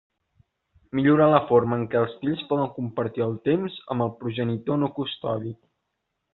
Millorar la forma en què els fills poden compartir el temps amb el progenitor no custodi.